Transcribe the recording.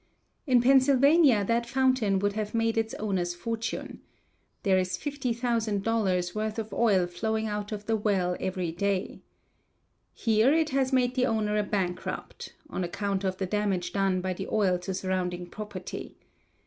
In Pennsylvania that fountain would have made its owner's fortune. There is $50,000 worth of oil flowing out of the well every day. Here it has made the owner a bankrupt (on account of the damage done by the oil to surrounding property).